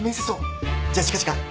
じゃあ近々。